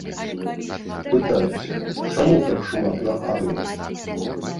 Пытаюся, чаму так шмат на армію?